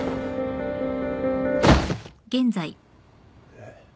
えっ。